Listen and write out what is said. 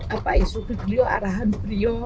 apa yang sudah beliau arahan beliau